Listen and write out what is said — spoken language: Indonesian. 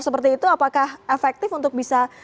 seperti itu apakah efektif untuk bisa